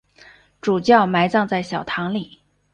主教埋葬在小堂里。